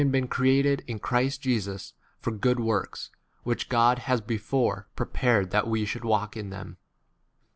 'Bestowed on' is also very created in Christ Jesus for good works, which God has before pre pared that we should walk in them.